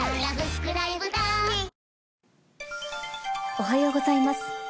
おはようございます。